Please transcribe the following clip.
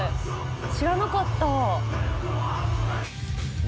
知らなかった。